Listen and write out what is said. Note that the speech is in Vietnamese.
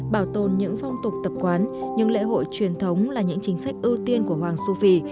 bảo tồn những phong tục tập quán những lễ hội truyền thống là những chính sách ưu tiên của hoàng su phi